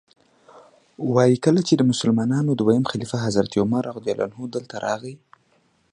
وایي کله چې د مسلمانانو دویم خلیفه حضرت عمر رضی الله عنه دلته راغی.